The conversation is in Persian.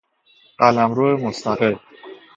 قلمرو مستقل